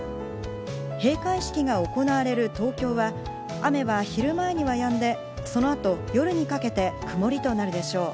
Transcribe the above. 閉会式が行われる東京は、雨は昼前にはやんで、その後夜にかけて曇りとなるでしょう。